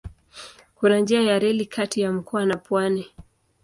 Kuna njia ya reli kati ya mkoa na pwani.